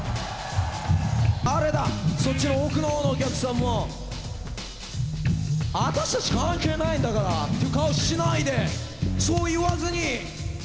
あれだ、そっちの奥のほうのお客さんも、アタシたち関係ないんだからって顔しないで、そう言わずに。